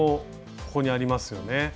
ここにありますよね。